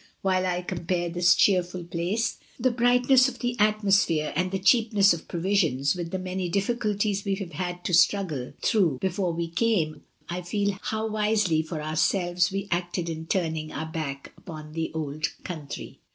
When I compare this cheerftil place. A WELCOME. 265 the brightness of the atmosphere, and the cheap ness of provisions, with the many difficulties we have had to struggle through before we came, I feel how wisely for ourselves we acted in turning our back upon the 'ould counthree.'